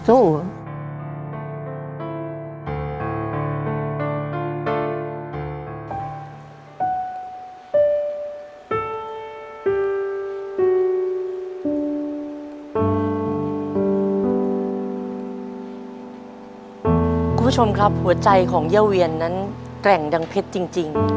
คุณผู้ชมครับหัวใจของย่าเวียนนั้นแกร่งดังเพชรจริง